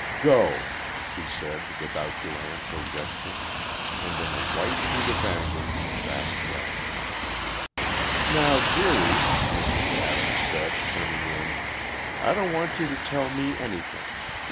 "Go," she said, without glance or gesture. And in a white heat of anger, Trask went. "Now, dearie," Mrs. Adams said, coming in, "I don't want you to tell me anything.